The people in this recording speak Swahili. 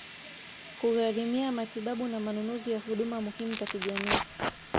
kugharimia matibabu na manunuzi ya huduma muhimu za kijamii